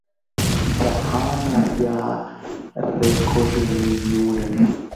Jahána jarecorremi ñúre.